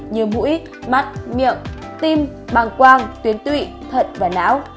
như mũi mắt miệng tim băng quang tuyến tụy thận và não